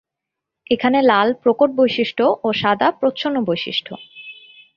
এখানে লাল প্রকট বৈশিষ্ট্য ও সাদা প্রচ্ছন্ন বৈশিষ্ট্য।